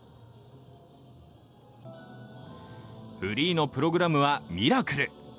フリーのプログラムは「ミラクル」。